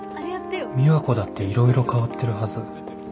美和子だっていろいろ変わってるはず